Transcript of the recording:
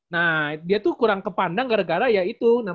nah dia tuh kurang kepandang gara gara ya itu